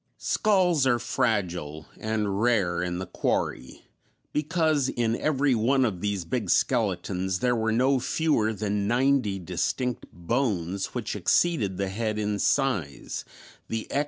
Skulls are fragile and rare in the quarry, because in every one of these big skeletons there were no fewer than ninety distinct bones which exceeded the head in size, the excess in most cases being enormous.